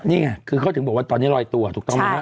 นี่ไงคือเขาถึงบอกว่าตอนนี้ลอยตัวถูกต้องไหมฮะ